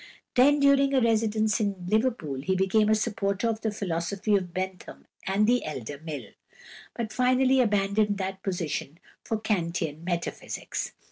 Then, during a residence in Liverpool, he became a supporter of the philosophy of Bentham and the elder Mill, but finally abandoned that position for Kantian metaphysics.